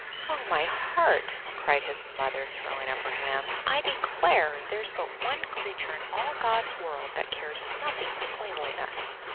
"Oh, my heart!" cried his mother, throwing up her hands. "I declare there's but one creature in all God's world that cares nothing for cleanliness!